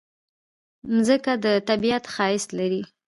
مځکه د طبیعت ښایست لري.